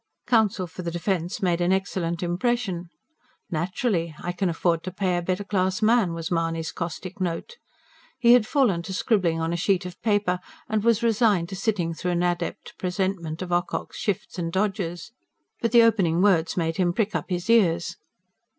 Counsel for the defence made an excellent impression. "Naturally! I can afford to pay a better class man," was Mahony's caustic note. He had fallen to scribbling on a sheet of paper, and was resigned to sitting through an adept presentment of Ocock's shifts and dodges. But the opening words made him prick up his ears.